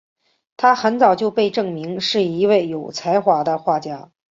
她很早就被证明是一位有才华的画家。